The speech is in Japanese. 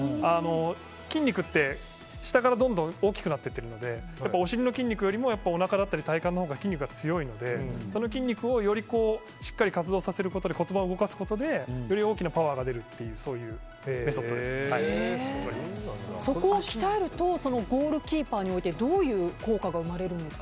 筋肉って下からどんどん大きくなっているのでお尻の筋肉よりおなかだったり体幹のほうが筋肉が強いのでその筋肉をよりしっかり活動させることで骨盤を動かすことでより大きなパワーが出るというそこを鍛えるとゴールキーパーにおいてどういう効果が生まれるんですか。